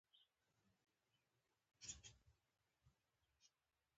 ښوروا مې کړه.